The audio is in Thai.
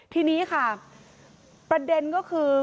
ทีนี้ค่ะประเด็นก็คือ